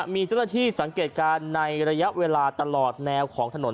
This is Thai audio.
มีเจ้าหน้าที่สังเกตการณ์ในระยะเวลาตลอดแนวของถนน